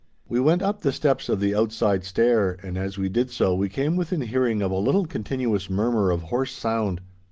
We went up the steps of the outside stair, and as we did so we came within hearing of a little continuous murmur of hoarse sound.